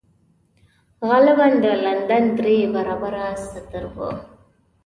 غالباً د لندن درې برابره ستر و